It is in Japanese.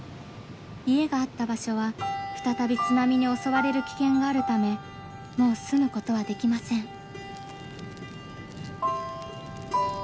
家があった場所は再び津波に襲われる危険があるためもう住むことはできません。